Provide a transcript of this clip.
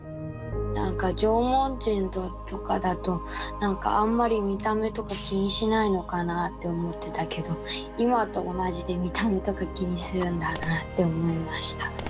なんか縄文人とかだとなんかあんまり見た目とか気にしないのかなあって思ってたけど今と同じで見た目とか気にするんだなあって思いました。